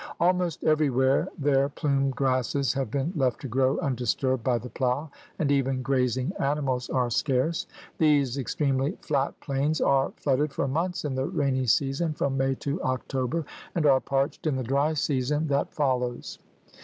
Almost every where their plumed grasses have been left to grow undisturbed by the plough, and even grazing ani mals are scarce. These extremely flat plains are flooded for months in the rainy season from May to October and are parched in the dry season that follows.